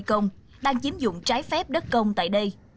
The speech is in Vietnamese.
đất công đang chiếm dụng trái phép đất công tại đây